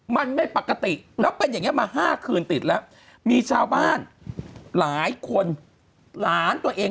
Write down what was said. มันไม่ปกติแล้วเป็นอย่างนี้มา๕คืนติดแล้วมีชาวบ้านหลายคนหลานตัวเอง